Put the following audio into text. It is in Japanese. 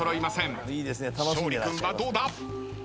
勝利君はどうだ？